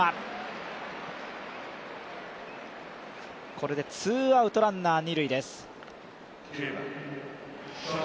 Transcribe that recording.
これでツーアウトランナー、二塁です。